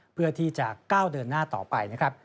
เพื่อที่จะก้าวเดินหน้าต่อไปนะครับ